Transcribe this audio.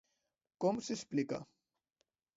-Com s'explica?…